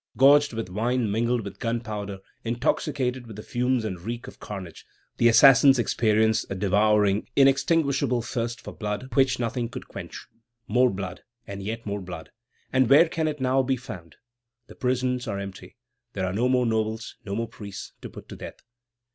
Gorged with wine mingled with gunpowder, intoxicated with the fumes and reek of carnage, the assassins experienced a devouring, inextinguishable thirst for blood which nothing could quench. More blood, and yet more blood! And where can it now be found? The prisons are empty. There are no more nobles, no more priests, to put to death.